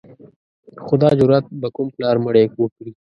خو دا جرأت به کوم پلار مړی وکړي.